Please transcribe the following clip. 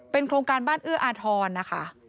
เป็นโครงการบ้านเอื้ออาธรณ์นะคะ